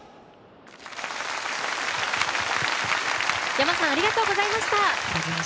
ｙａｍａさんありがとうございました。